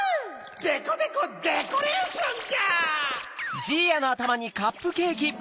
デコデコデコレーションじゃ！